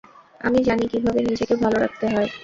আমি জানি কিভাবে নিজেকে ভালো রাখতে হয়।